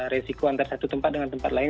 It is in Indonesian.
resiko antara satu tempat dengan tempat lain